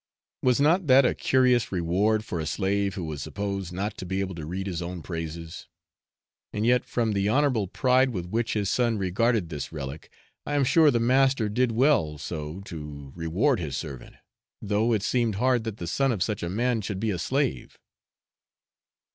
Was not that a curious reward for a slave who was supposed not to be able to read his own praises? And yet, from the honourable pride with which his son regarded this relic, I am sure the master did well so to reward his servant, though it seemed hard that the son of such a man should be a slave.